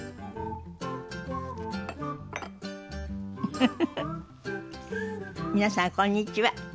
フフフフ皆さんこんにちは。